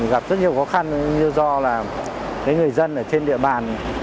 gặp rất nhiều khó khăn như do là người dân ở trên địa bàn